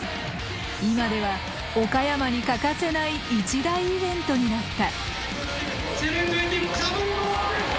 今では岡山に欠かせない一大イベントになった。